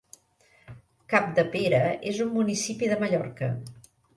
Capdepera és un municipi de Mallorca.